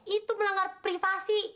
itu melanggar privasi